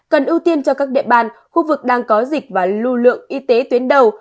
cần ưu tiên cho các địa bàn khu vực đang có dịch và lưu lượng y tế tuyến đầu